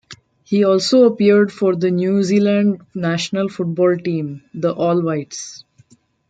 He also appeared for the New Zealand national football team, the "All Whites".